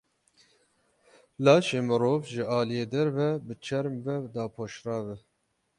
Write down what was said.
Laşê mirov ji aliyê derve bi çerm ve dapoşrav e.